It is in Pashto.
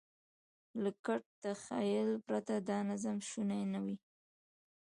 له ګډ تخیل پرته دا نظم شونی نه و.